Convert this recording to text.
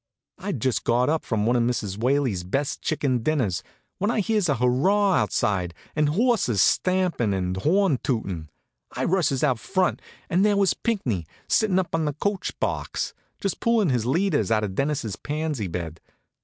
I'd just got up from one of Mrs. Whaley's best chicken dinners, when I hears a hurrah outside, and horses stampin' and a horn tootin'. I rushes out front, and there was Pinckney, sittin' up on a coach box, just pullin' his leaders out of Dennis's pansy bed.